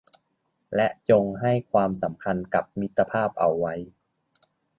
และจงให้ความสำคัญกับมิตรภาพเอาไว้